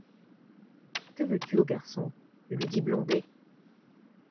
Que veux-tu au garçon? lui dit Blondet.